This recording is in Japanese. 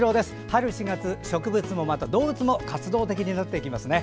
春４月、植物も動物も活動的になってきますね。